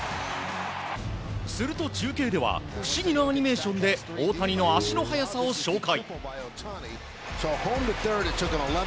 すると、中継では不思議なアニメーションで大谷の足の速さを紹介。